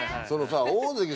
そのさぁ。